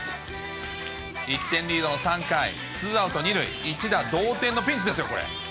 １点リードの３回、ツーアウト２塁、一打同点のピンチですよ、これ。